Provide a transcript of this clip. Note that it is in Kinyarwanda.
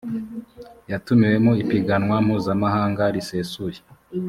yatumiwe mu ipiganwa mpuzamahanga risesuye